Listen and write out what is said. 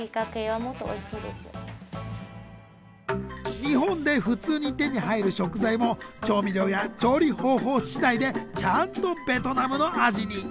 日本で普通に手に入る食材も調味料や調理方法次第でちゃんとベトナムの味に。